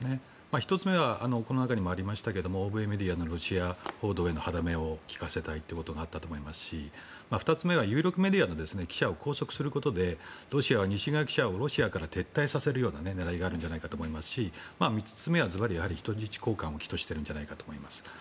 １つ目は、さっきありましたが欧米メディアの報道への歯止めを利かせたいということがあったと思いますし２つ目は有力メディアの記者を拘束することでロシアは西側記者をロシアから撤退させるような狙いがあるんじゃないかと思いますし３つ目は、ずばり人質交換を企図しているんじゃないかと思います。